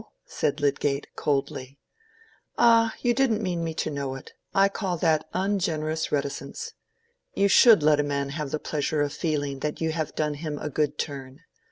said Lydgate, coldly. "Ah, you didn't mean me to know it; I call that ungenerous reticence. You should let a man have the pleasure of feeling that you have done him a good turn.